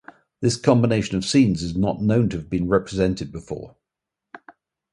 This combination of scenes is not known to have been represented before.